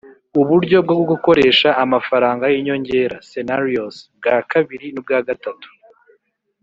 uburyo bwo gukoresha amafaranga y' inyongera (scenarios) bwa kabiri n'ubwa gatatu